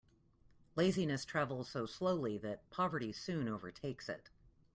Laziness travels so slowly that poverty soon overtakes it.